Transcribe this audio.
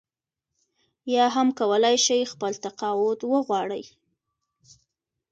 یا هم کولای شي خپل تقاعد وغواړي.